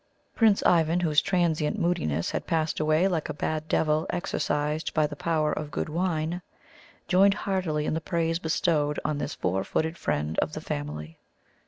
Prince Ivan, whose transient moodiness had passed away like a bad devil exorcised by the power of good wine, joined heartily in the praise bestowed on this four footed friend of the family.